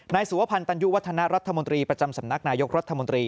สุวพันธัญญุวัฒนารัฐมนตรีประจำสำนักนายกรัฐมนตรี